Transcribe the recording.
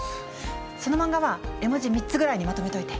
その漫画は絵文字３つぐらいにまとめといて。